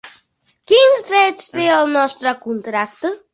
Quins drets té el nostre contracte?